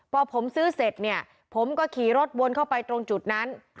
พอผมซื้อเสร็จเนี่ยผมก็ขี่รถวนเข้าไปตรงจุดนั้น